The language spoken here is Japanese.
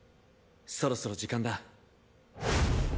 そろそろ時間だ。